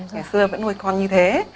ngày xưa vẫn nuôi con như thế